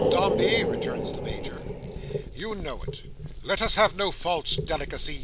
"Dombey," returns the Major, "you know it. Let us have no false delicacy.